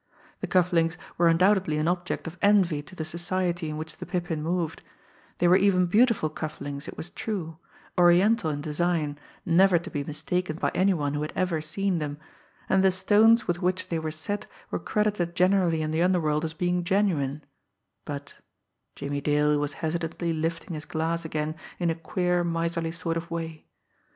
The cuff links were undoubtedly an object of envy to the society in which the Pippin moved; they were even beautiful cuff links, it was true, oriental in design, never to be mistaken by any one who had ever seen them, and the stones with which they were set were credited generally in the underworld as being genuine, but Jimmie Dale was hesitantly lifting his glass again in a queer, miserly sort of way.